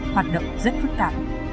hoạt động rất phức tạp